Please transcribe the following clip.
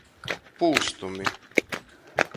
Pūstumi.